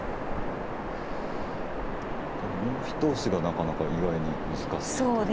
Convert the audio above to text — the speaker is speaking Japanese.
ただもうひと押しがなかなか意外に難しいというか。